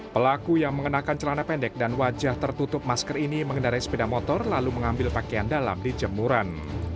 pelaku yang mengenakan celana pendek dan wajah tertutup masker ini mengendarai sepeda motor lalu mengambil pakaian dalam di jemuran